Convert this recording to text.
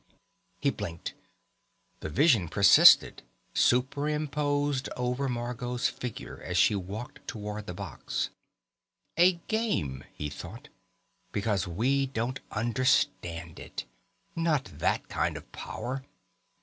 He blinked. The vision persisted, superimposed over Margot's figure as she walked toward the box. A game, he thought. Because we don't understand it. Not that kind of power.